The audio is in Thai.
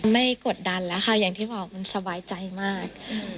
กดดันแล้วค่ะอย่างที่บอกมันสบายใจมาก